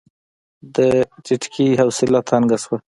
د ټيټکي حوصله تنګه شوه.